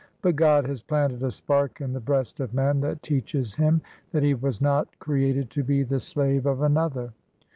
But God has planted a spark in the breast of man, that teaches him that he was not created to be the slave of another.